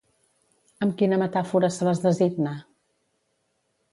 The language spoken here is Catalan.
Amb quina metàfora se les designa?